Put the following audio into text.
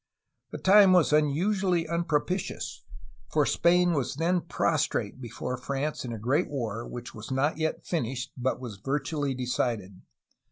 The time was unusually unpropitious, for Spain was then pros trate before France in a great war which was not yet finished JDut was virtually decided.